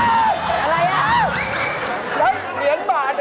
นั้นเหรียญบาทเหรอ